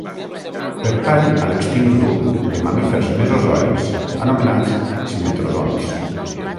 Pertany a l'extint grup de mamífers mesozoics anomenats simetrodonts.